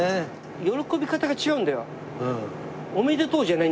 喜び方が違うんだよ。